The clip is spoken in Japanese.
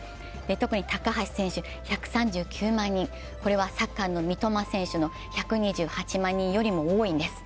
特に高橋選手、１３９万人、これはサッカーの三笘選手の１２８万人よりも多いんです。